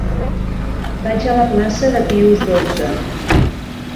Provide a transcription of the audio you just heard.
Vaig a la plaça de Pius dotze.